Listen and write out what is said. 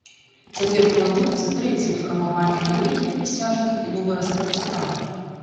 Цяпер плануецца трэцяе фармаванне калегіі прысяжных і новы разгляд справы.